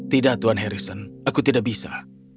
tidak tuan harrison aku tidak bisa